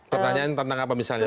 pertanyaan tentang apa misalnya